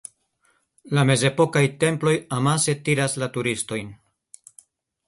La mezepokaj temploj amase tiras la turistojn.